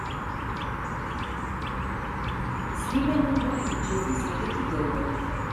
Sliman U Muḥ yeǧǧa Tiziri Tagawawt.